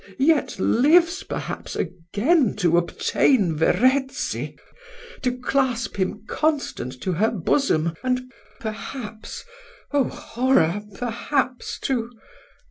yet lives, perhaps, again to obtain Verezzi to clasp him constant to her bosom and perhaps oh, horror! perhaps to